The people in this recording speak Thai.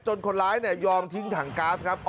คนร้ายยอมทิ้งถังก๊าซครับ